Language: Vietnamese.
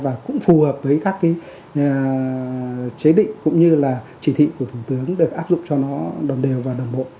và cũng phù hợp với các cái chế định cũng như là chỉ thị của thủ tướng được áp dụng cho nó đồng đều và đồng bộ